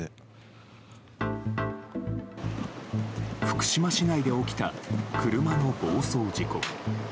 福島市内で起きた車の暴走事故。